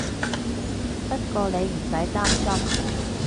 不過你唔使擔心